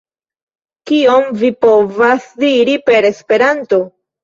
Kion vi povas diri per Esperanto?